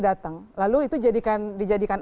datang lalu itu dijadikan